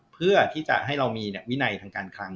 เพื่อที่จะให้เรามีวินัยทางการคลัง